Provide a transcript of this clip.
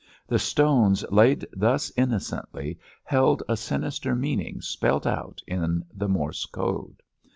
The stones laid thus innocently held a sinister meaning spelt out in the Morse code.